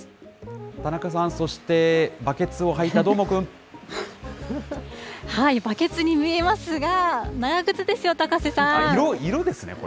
田中さん、そして、バケツを履いバケツに見えますが、長靴で色、色ですね、これ。